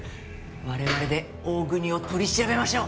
我々で大國を取り調べましょう！